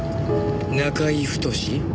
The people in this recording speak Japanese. ナカイ・フトシ？